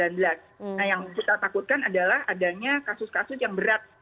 nah yang kita takutkan adalah adanya kasus kasus yang berat